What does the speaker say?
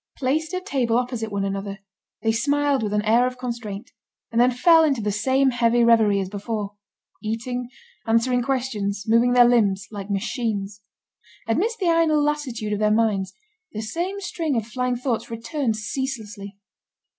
Placed at table opposite one another, they smiled with an air of constraint, and then fell into the same heavy reverie as before, eating, answering questions, moving their limbs like machines. Amidst the idle lassitude of their minds, the same string of flying thoughts returned ceaselessly.